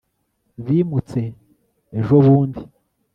bimutse ejobundi